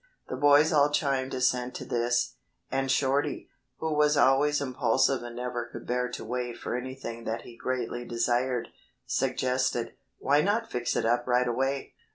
The boys all chimed assent to this, and Shorty, who was always impulsive and never could bear to wait for anything that he greatly desired, suggested, "Why not fix it up right away?"